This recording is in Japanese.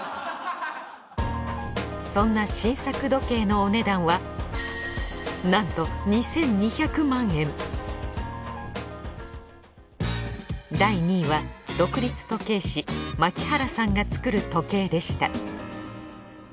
そんな新作時計のお値段はなんと第２位は独立時計師牧原さんが作る時計でした